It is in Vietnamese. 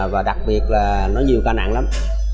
và đặc biệt là nó nhiều ca nặng lắm